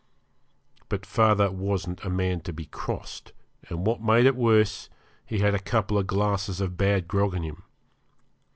But father wasn't a man to be crossed, and what made it worse he had a couple of glasses of bad grog in him.